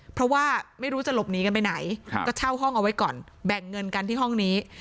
เพราะว่าไม่รู้จะหลบหนีกันไปไหนก็เช่าห้องเอาไว้ก่อนแบ่งเงินกันที่ห้องนี้